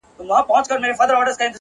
• په يبلو پښو روان سو؛